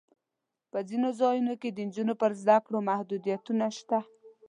په ځینو ځایونو کې د نجونو پر زده کړو محدودیتونه شته.